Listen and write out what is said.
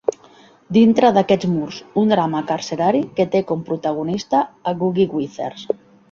"Dintre d'aquests murs", un drama carcerari que té com protagonista a Googie Withers.